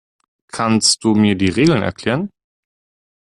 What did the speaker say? Kannst du mir die Regeln erklären?